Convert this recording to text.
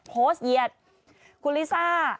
โพสต์เยียดคุณลิซ่า